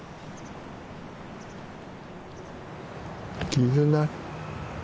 絆。